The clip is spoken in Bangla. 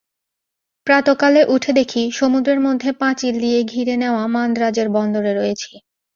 প্রাতঃকালে উঠে দেখি, সমুদ্রের মধ্যে পাঁচিল দিয়ে ঘিরে-নেওয়া মান্দ্রাজের বন্দরে রয়েছি।